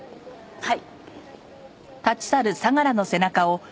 はい。